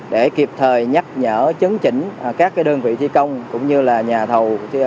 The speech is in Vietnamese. để kịp thời nhắc nhở chấn chỉnh các đơn vị thi công cũng như là nhà thầu